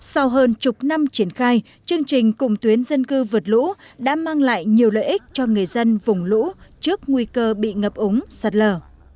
sau hơn chục năm triển khai chương trình cùng tuyến dân cư vượt lũ đã mang lại nhiều lợi ích cho người dân vùng lũ trước nguy cơ bị ngập ống sạt lở